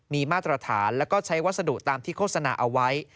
มีมาตรฐานแล้วก็ใช้วัสดุตามที่โฆษณาเอาไว้